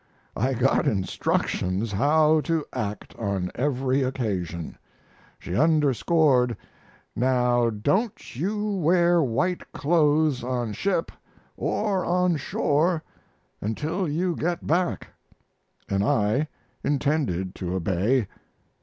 I got instructions how to act on every occasion. She underscored "Now, don't you wear white clothes on ship or on shore until you get back," and I intended to obey.